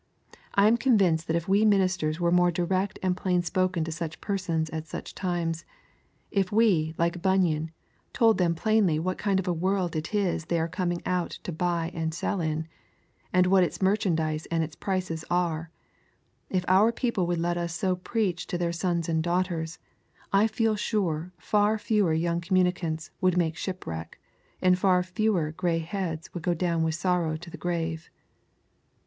I am convinced that if we ministers were more direct and plain spoken to such persons at such times; if we, like Bunyan, told them plainly what kind of a world it is they are coming out to buy and sell in, and what its merchandise and its prices are; if our people would let us so preach to their sons and daughters, I feel sure far fewer young communicants would make shipwreck, and far fewer grey heads would go down with sorrow to the grave.